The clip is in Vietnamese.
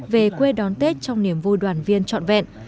về quê đón tết trong niềm vui đoàn viên trọn vẹn